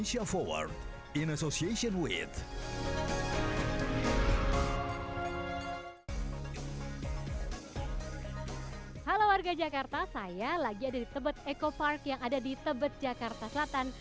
halo warga jakarta saya lagi ada di tebet eco park yang ada di tebet jakarta selatan